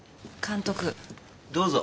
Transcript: どうぞ。